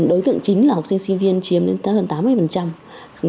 đối tượng chính là học sinh sinh viên chiếm lên hơn tám mươi